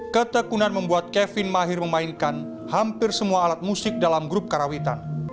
ketekunan membuat kevin mahir memainkan hampir semua alat musik dalam grup karawitan